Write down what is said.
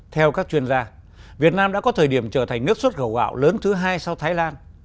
theo các chuyên gia việt nam đã có thời điểm trở thành nước xuất khẩu gạo lớn thứ hai sau thái lan